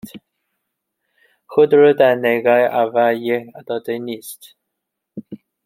خودرو در نگاه اول یک داده نیست